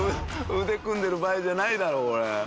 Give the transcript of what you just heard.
腕組んでる場合じゃないだろこれ。